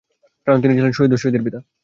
কারণ তিনি ছিলেন শহীদ ও শহীদের পিতা।